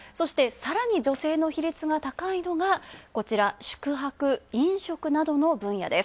さらに女性の比率が高いのが宿泊、飲食の分野です。